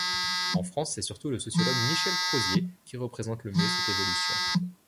En France, c'est surtout le sociologue Michel Crozier qui représente le mieux cette évolution.